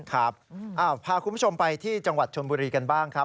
พาคุณผู้ชมไปที่จังหวัดชนบุรีกันบ้างครับ